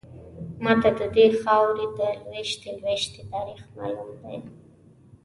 ماته ددې خاورې د لویشتې لویشتې تاریخ معلوم دی.